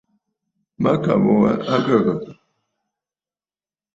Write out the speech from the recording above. Mâkàbə̀ wa a ghə̀gə̀.